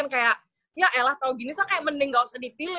kayak ya elah kayak gini saya mending kaya gak usah dipilih